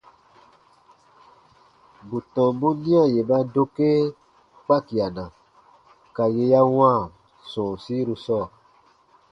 Bù tɔmbun nia yè ba dokee kpakiana ka yè ya wãa sɔ̃ɔsiru sɔɔ.